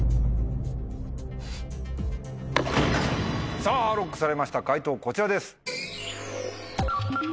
さぁＬＯＣＫされました解答こちらです。